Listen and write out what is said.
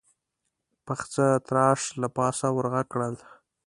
پخڅه تراش له پاسه ور غږ کړل: